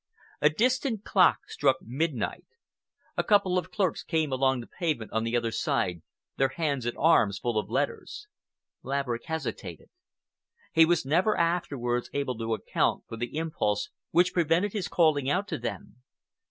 A distant clock struck midnight. A couple of clerks came along the pavement on the other side, their hands and arms full of letters. Laverick hesitated. He was never afterwards able to account for the impulse which prevented his calling out to them.